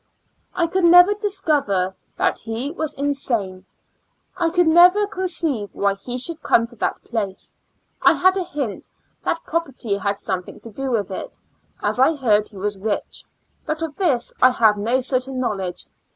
I could never discover that he was in sane; I could never conceive why he should come to that place; I had a hint that pro perty had something to do with it, as I heard he was rich, but of this I have no certain knowledge.